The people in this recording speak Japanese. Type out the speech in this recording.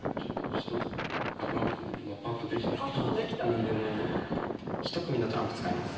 何でも一組のトランプ使います